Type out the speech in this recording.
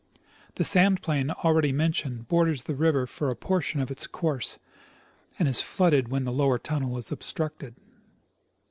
The sand plain already mentioned borders the river for a portion of its course, and is flooded when the lower tunnel is obstructed.